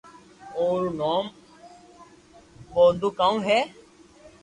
اي رو مون گونو ڪاو ھي